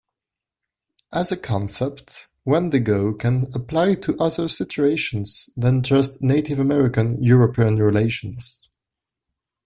As a concept, wendigo can apply to other situations than just Native American-European relations.